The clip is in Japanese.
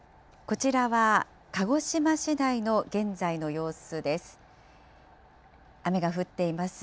こちらは鹿児島市内の現在の様子です。